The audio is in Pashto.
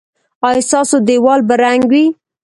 ایا ستاسو دیوال به رنګ وي؟